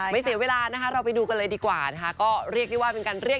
เสียเวลานะคะเราไปดูกันเลยดีกว่านะคะก็เรียกได้ว่าเป็นการเรียก